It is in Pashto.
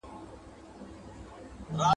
ورېځې او تورو لوګیو اسمان بیخي پټ کړی و.